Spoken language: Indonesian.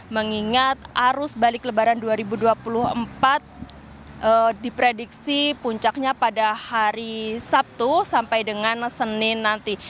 mengingat arus balik lebaran dua ribu dua puluh empat diprediksi puncaknya pada hari sabtu sampai dengan senin nanti